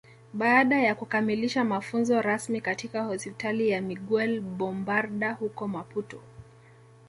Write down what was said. Baada ya kukamilisha mafunzo rasmi katika Hospitali ya Miguel Bombarda huko Maputo